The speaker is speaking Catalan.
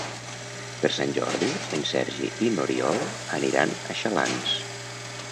Per Sant Jordi en Sergi i n'Oriol aniran a Xalans.